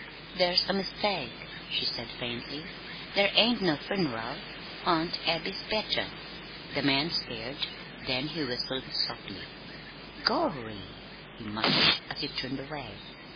"There's a mistake," she said faintly. "There ain't no fun'ral. Aunt Abby's better." The man stared, then he whistled softly. "Gorry!" he muttered, as he turned away.